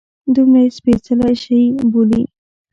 دومره یې سپیڅلی شي بولي.